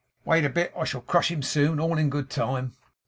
'Wait a bit. I shall crush him soon. All in good time!